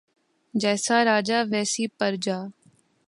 جیسا راجا ویسی پرجا